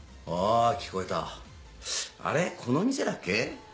あぁ聞こえたあれこの店だっけ？